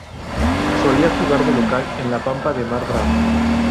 Solía jugar de local en la Pampa de Mar Brava.